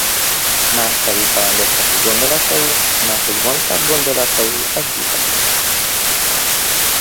Másfelé kalandoztak a gondolatai, mert hogy voltak gondolatai, az bizonyos.